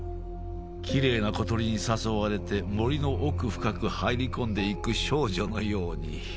きれいな小鳥に誘われて森の奥深く入り込んでいく少女のように。